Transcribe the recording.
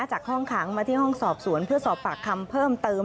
จากห้องขังมาที่ห้องสอบสวนเพื่อสอบปากคำเพิ่มเติม